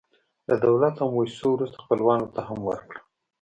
له دولت او موسسو وروسته، خپلوانو ته هم ورکړه.